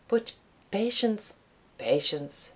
"But patience! patience!